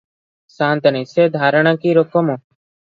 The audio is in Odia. ସା’ନ୍ତାଣୀ – ସେ ଧାରଣା କି’ ରକମ?